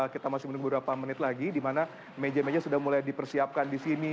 kita masih menunggu berapa menit lagi di mana meja meja sudah mulai dipersiapkan di sini